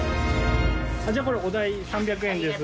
じゃあこれお代３００円です。